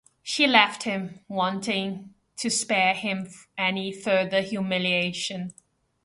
She left him, wanting to spare him any further humiliation.